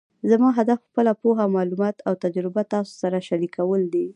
زما هدف خپله پوهه، معلومات او تجربه تاسو سره شریکول دي